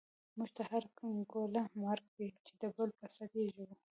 موږ ته هره ګوله مرګ دی، چی دبل په ست یی ژوویو